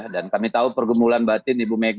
dan kami tahu pergemulan batin ibu megawati